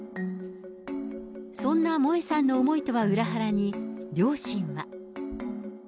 そんな萌さんの思いとは裏腹に、両親は。